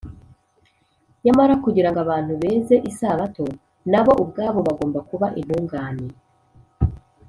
nyamara kugira ngo abantu beze isabato, na bo ubwabo bagomba kuba intungane